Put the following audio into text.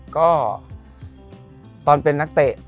ก็ตอนเป็นนักเตะ